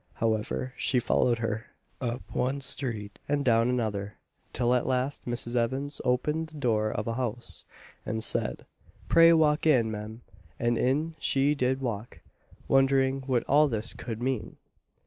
However, she followed her, up one street, and down another, till at last Mrs. Evans opened the door of a house and said, "pray walk in, Mem;" and in she did walk, wondering what all this could mean.